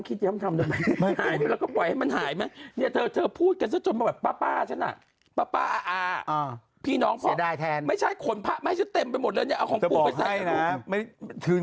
เขาบอกว่าในห้องนี้ไม่มีแน่นอน